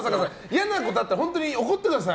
嫌なことあったら本当に怒ってください。